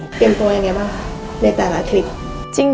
เตรียมตัวอย่างนี้บ้างในแต่ละทริป